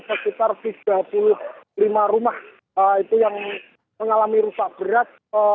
sekitar tiga puluh lima rumah itu yang mengalami rusak berat